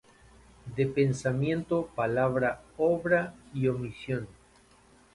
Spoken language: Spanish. de pensamiento, palabra, obra y omisión: